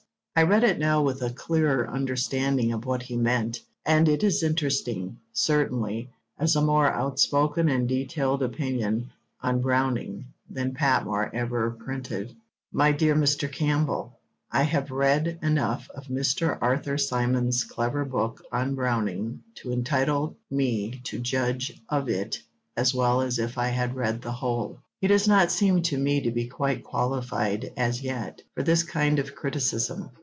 I read it now with a clearer understanding of what he meant, and it is interesting, certainly, as a more outspoken and detailed opinion on Browning than Patmore ever printed. MY DEAR MR. CAMPBELL, I have read enough of Mr. Arthur Symons' clever book on Browning to entitle me to judge of it as well as if I had read the whole. He does not seem to me to be quite qualified, as yet, for this kind of criticism.